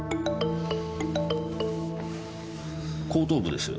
後頭部です。